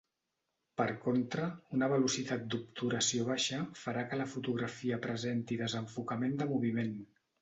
Per contra, una velocitat d'obturació baixa farà que la fotografia presenti desenfocament de moviment.